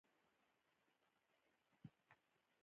افکار یې له تېروتنو پاک نه ګڼل.